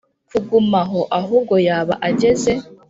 kugumaho ahubwo yaba ageze